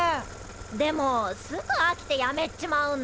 でもすぐあきてやめっちまうんだ。